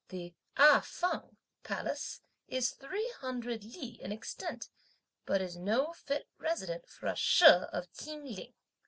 The "A Fang" Palace is three hundred li in extent, but is no fit residence for a "Shih" of Chin Ling.